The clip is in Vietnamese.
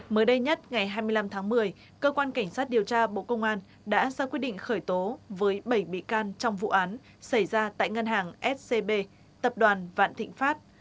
mới đây nhất ngày hai mươi năm tháng một mươi cơ quan cảnh sát điều tra bộ công an đã ra quyết định khởi tố với bảy bị can trong vụ án xảy ra tại ngân hàng scb tập đoàn vạn thịnh pháp